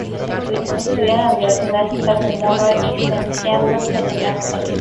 Estudió en la Universidad estatal de Murray, licenciándose en Arte.